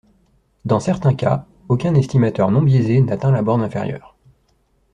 Dans certains cas, aucun estimateur non biaisé n'atteint la borne inférieure.